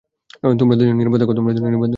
তোমরা দুজনই নিরাপদ থেকো।